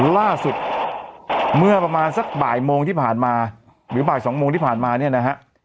ล่าสุดเมื่อประมาณสักบ่ายโมงที่ผ่านมาหรือบ่ายสองโมงที่ผ่านมาเนี่ยนะฮะ